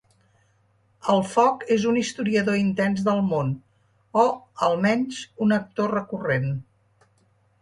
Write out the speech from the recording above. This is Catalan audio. El foc és un historiador intens del món o, almenys, un actor recurrent.